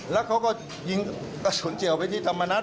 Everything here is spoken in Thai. แล้วเขาก็ยิงกระสุนเฉียวไปที่ธรรมนัฐ